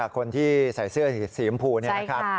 คนที่ใส่เสื้อสีชมพูนี่นะครับ